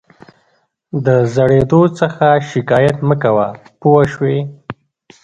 د زړېدو څخه شکایت مه کوه پوه شوې!.